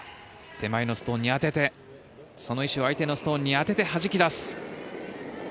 手前のストーンに当ててその石を相手のストーンに当ててはじき出す。